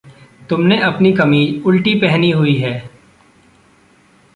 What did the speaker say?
तुमने अपनी कमीज़ उलटी पहनी हुई है।